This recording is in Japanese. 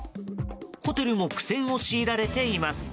ホテルも苦戦を強いられています。